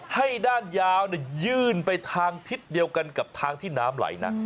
ให้ด้านยาวยื่นไปทางทิศเดียวกันกับทางที่น้ำไหลนะ